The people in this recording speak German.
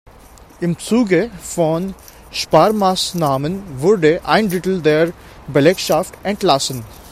Im Zuge von Sparmaßnahmen wurde ein Drittel der Belegschaft entlassen.